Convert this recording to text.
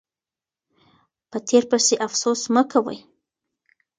په تیر پسې افسوس مه کوئ.